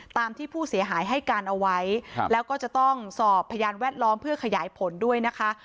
ตามที่ผู้เสียหายให้การเอาไว้แล้วก็จะต้องสอบพยานแวดล้อมเพื่อขยายผลด้วยนะคะ